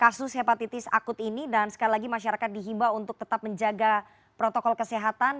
kasus hepatitis akut ini dan sekali lagi masyarakat dihibah untuk tetap menjaga protokol kesehatan